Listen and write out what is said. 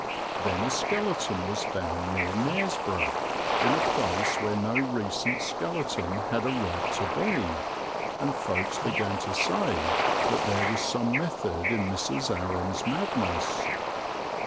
Then a skeleton was found near Knaresborough, in a place where no recent skeleton had a right to be, and folks began to say that there was some method in Mrs. Aram's madness.